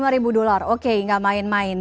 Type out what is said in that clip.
oke tiga sampai lima dolar oke nggak main main ya